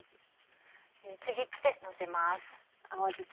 ちぎってのせます。